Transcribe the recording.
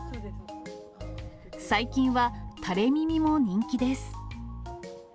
最近は垂れ耳も人気です。